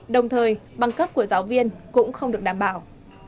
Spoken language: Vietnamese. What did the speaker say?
đồng thời bằng cấp của giáo viên cũng không được đảm bảo